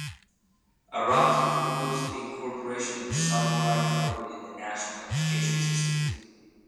Araki proposed the incorporation of the "samurai" code in the national education system.